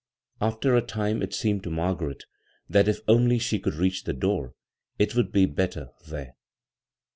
After a time it seemed to Margaret that if only she could reach the door it would be better there.